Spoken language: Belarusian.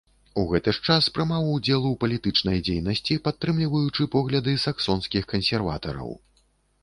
У гэты ж час прымаў удзел у палітычнай дзейнасці, падтрымліваючы погляды саксонскіх кансерватараў.